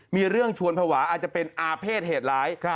มีเรื่องชวนภาวะอาจจะเป็นอาเภษเหตุร้าย